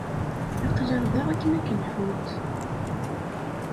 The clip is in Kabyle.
Aql-aneɣ da akken ad k-nḥudd.